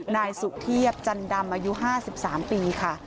นายสุเทพจันดำอายุ๕๓ปีค่ะ